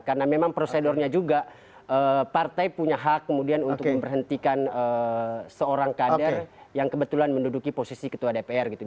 karena memang prosedurnya juga partai punya hak kemudian untuk memperhentikan seorang kader yang kebetulan menduduki posisi ketua dpr gitu